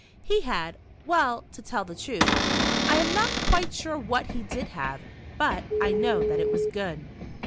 He had — well, to tell the truth, I am not quite sure what he did have, but I know that it was good.